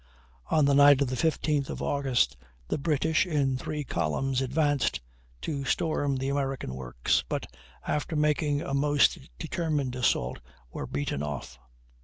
On the night of the 15th of August, the British in three columns advanced to storm the American works, but after making a most determined assault were beaten off.